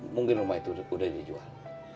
mungkin rumah itu sudah dijual